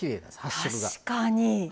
確かに。